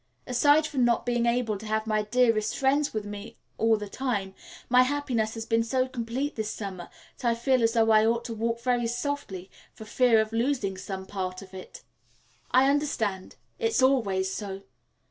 Aside from not being able to have my dearest friends with me all the time, my happiness has been so complete this summer that I feel as though I ought to walk very softly, for fear of losing some part of it." "I understand. It's always so.